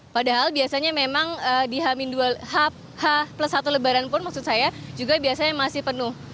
padahal biasanya memang di h plus satu lebaran pun maksud saya juga biasanya masih penuh